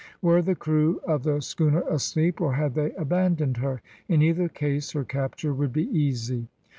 Were the crew of the schooner asleep, or had they abandoned her? In either case her capture would be easy.